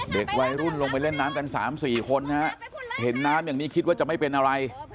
เด็กวัยรุ่นลงไปเล่นน้ำกัน๓๔คนนะฮะเห็นน้ำอย่างนี้คิดว่าจะไม่เป็นอะไร